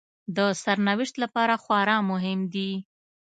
د سرنوشت لپاره خورا مهم دي